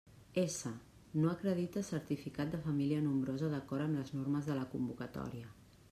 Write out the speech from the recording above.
S: no acredita certificat de família nombrosa d'acord amb les normes de la convocatòria.